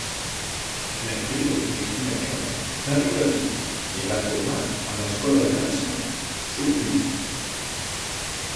L"actriu Christina Chong va viure aquí, i es va formar a l"escola de dansa Sutcliffe.